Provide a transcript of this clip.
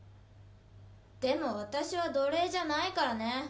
でも私は奴隷じゃないからね。